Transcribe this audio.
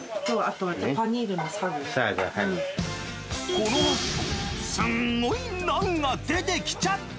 このあとすんごいナンが出てきちゃった。